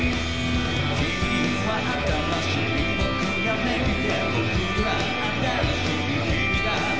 君には新しい僕ができて、僕には新しい君が。